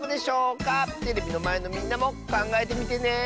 テレビのまえのみんなもかんがえてみてね。